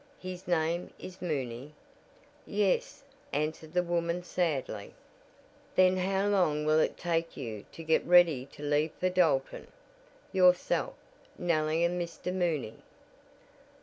His name is Mooney?" "Yes," answered the woman sadly. "Then how long will it take you to get ready to leave for Dalton? Yourself, Nellie and Mr. Mooney?"